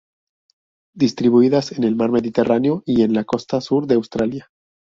Distribuidas en el mar Mediterráneo y en la costa sur de Australia.